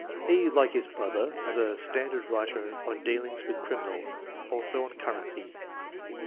He, like his brother, was a standard writer on dealings with criminals ; also on currency.